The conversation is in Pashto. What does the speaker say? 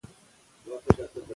که انصاف نه وي، شخړې زیاتېږي.